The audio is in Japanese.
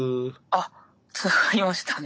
あっつながりましたね。